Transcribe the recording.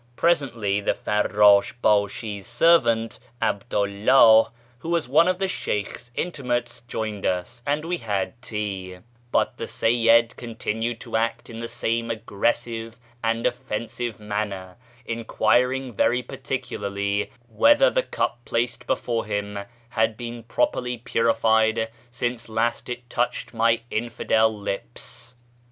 I'rescnlly the Farrdsh hdsJiis servant, 'Abdu 'llah, who was one of the Sheykh's intimates, joined us, and we had tea ; but the Seyyid continued to act in the same aggressive and offensive manner, enquiring very particularly whether the cup placed before him had been properly purified since last it touched my infidel lips.